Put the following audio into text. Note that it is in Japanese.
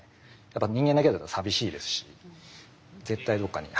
やっぱ人間だけだと寂しいですし絶対どっかに。